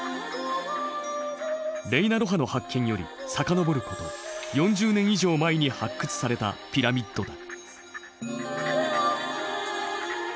レイナ・ロハの発見より遡ること４０年以上前に発掘されたピラミッドだ。